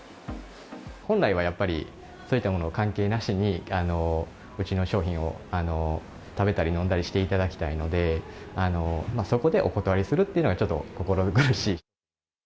本来はやっぱり、そういったもの関係なしに、うちの商品を食べたり飲んだりしていただきたいので、そこでお断りするっていうのはちょっと心苦しい。